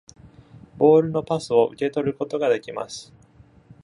ボールのパスを受け取ることができます。